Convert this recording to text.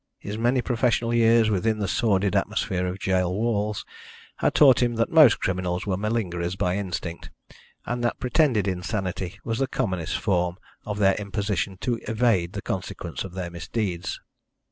His many professional years within the sordid atmosphere of gaol walls had taught him that most criminals were malingerers by instinct, and that pretended insanity was the commonest form of their imposition to evade the consequence of their misdeeds.